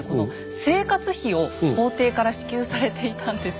生活費を皇帝から支給されていたんです。